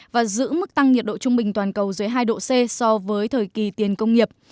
và giữ mức tăng nhiệt độ trung bình toàn cầu dưới hai độ c so với thời kỳ tiền công nghiệp